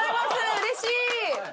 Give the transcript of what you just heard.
うれしい。